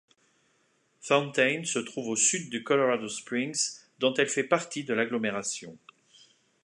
Fountain se trouve au sud de Colorado Springs, dont elle fait partie de l'agglomération.